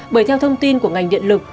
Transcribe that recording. bởi theo thông tin của ngành điện lực